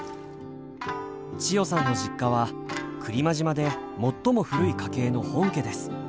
千代さんの実家は来間島で最も古い家系の本家です。